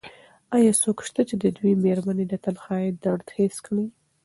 ایا څوک شته چې د دې مېرمنې د تنهایۍ درد حس کړي؟